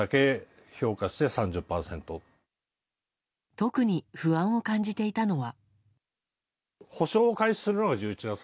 特に不安を感じていたのは。